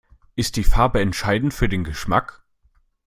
Ist die Farbe entscheidend für den Geschmack?